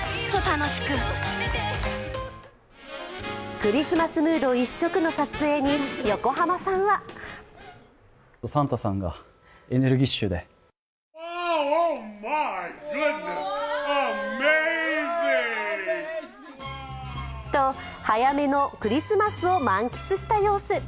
クリスマスムード一色の撮影に横浜さんはと、早めのクリスマスを満喫した様子。